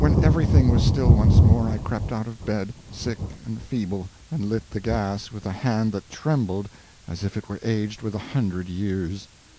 When everything was still once more, I crept out of bed, sick and feeble, and lit the gas with a hand that trembled as if it were aged with a hundred years.